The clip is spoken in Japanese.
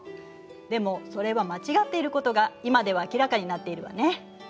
でもそれは間違っていることが今では明らかになっているわね。